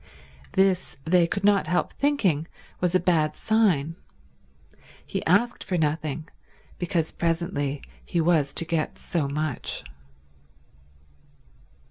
This, they could not help thinking, was a bad sign. He asked for nothing because presently he was to get so much.